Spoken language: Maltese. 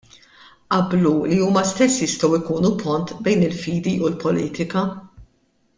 Qablu li huma stess jistgħu jkunu pont bejn il-fidi u l-politika.